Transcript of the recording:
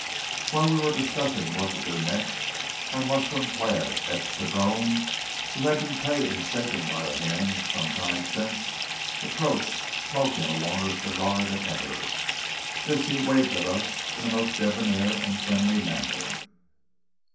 While we were discussing what to do next, our muslin clad ex padrone, who had been paid and shaken by the hand some time since, approached smoking a longer cigar than ever. This he waved at us in a most debonair and friendly manner.